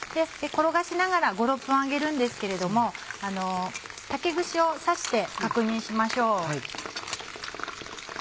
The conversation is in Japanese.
転がしながら５６分揚げるんですけれども竹串を刺して確認しましょう。